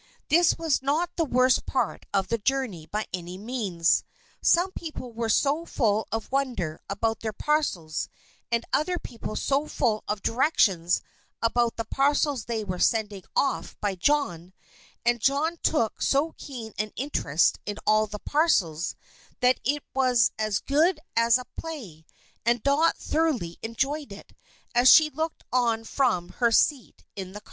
This was not the worst part of the journey by any means. Some people were so full of wonder about their parcels, and other people so full of directions about the parcels they were sending off by John, and John took so keen an interest in all the parcels, that it was as good as a play, and Dot thoroughly enjoyed it, as she looked on from her seat in the cart.